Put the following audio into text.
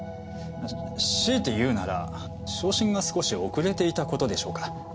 しいて言うなら昇進が少し遅れていたことでしょうか。